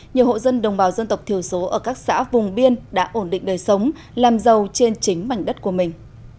nhiều hộ dân đồng bào dân tộc thiểu số ở các xã vùng biên đã ổn định đời sống làm giàu trên chính mảnh đất của mình